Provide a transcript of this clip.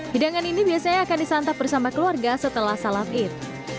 hidangan ini biasanya akan disantap bersama keluarga setelah salat id